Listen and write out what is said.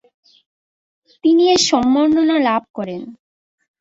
তিনি এ সম্মাননা লাভ করেন।